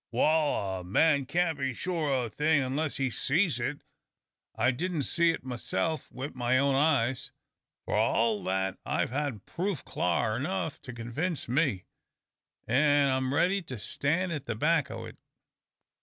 "Wal, a man can't be sure o' a thing unless he sees it. I didn't see it myself wi' my own eyes. For all that, I've had proof clar enough to convince me; an' I'm reddy to stan' at the back o' it."